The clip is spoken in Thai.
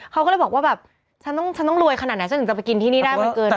เขาก็เลยบอกว่าแบบฉันต้องรวยขนาดไหนฉันถึงจะไปกินที่นี่ได้มันเกิน